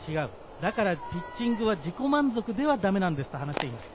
だからピッチングは自己満足ではだめなんですと話していました。